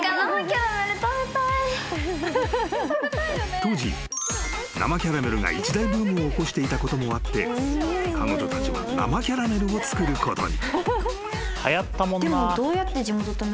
［当時生キャラメルが一大ブームを起こしていたこともあって彼女たちは生キャラメルを作ることに］